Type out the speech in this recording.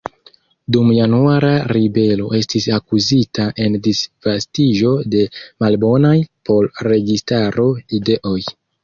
Dum Januara ribelo estis akuzita en disvastiĝo de "malbonaj por registaro" ideoj.